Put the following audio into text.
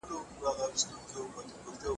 په کيسه کي د پادشاه واک معلوم و.